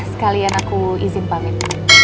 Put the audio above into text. sekalian aku izin pamit